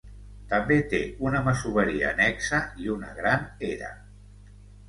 També té una masoveria annexa i una gran era.